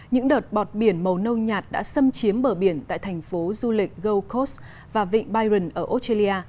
những đợt bọt biển màu nâu nhạt đã xâm chiếm bờ biển tại thành phố du lịch gold coast và vịnh byron ở australia